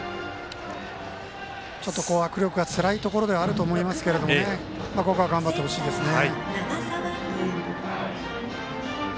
ちょっと、握力がつらいところではあると思いますがここは頑張ってほしいですね。